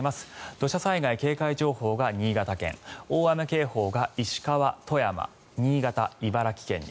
土砂災害警戒情報が新潟県大雨警報が石川、富山、新潟、茨城県に。